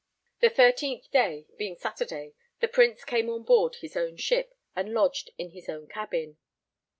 The 13th day, being Saturday, the Prince came on board his own ship and lodged in his own cabin.